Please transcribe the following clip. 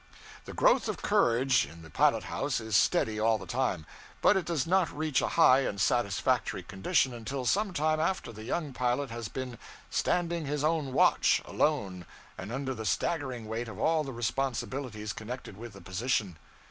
The growth of courage in the pilot house is steady all the time, but it does not reach a high and satisfactory condition until some time after the young pilot has been 'standing his own watch,' alone and under the staggering weight of all the responsibilities connected with the position.